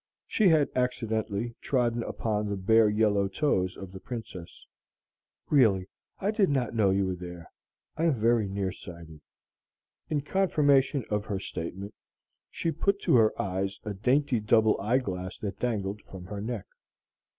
(She had accidentally trodden upon the bare yellow toes of the Princess.) "Really, I did not know you were there. I am very near sighted." (In confirmation of her statement, she put to her eyes a dainty double eyeglass that dangled from her neck.)